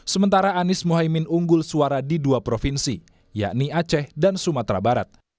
sementara anies mohaimin unggul suara di dua provinsi yakni aceh dan sumatera barat